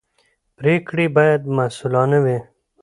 پرېکړې باید مسوولانه وي